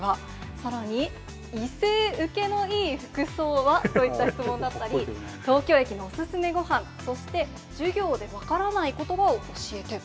さらに、異性受けのいい服装は？といった質問だったり、東京駅のおすすめごはん、そして授業で分からないことばを教えて。